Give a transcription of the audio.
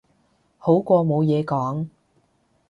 好過冇嘢講